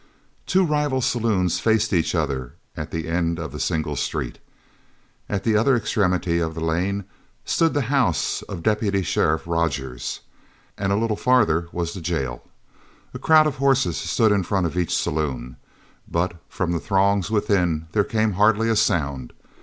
Two rival saloons faced each other at the end of the single street. At the other extremity of the lane stood the house of deputy sheriff Rogers, and a little farther was the jail. A crowd of horses stood in front of each saloon, but from the throngs within there came hardly a sound.